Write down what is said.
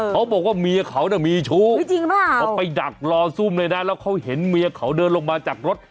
เขาบอกว่าเมียเขาน่ะมีชู้จริงป่ะเขาไปดักรอซุ่มเลยนะแล้วเขาเห็นเมียเขาเดินลงมาจากรถ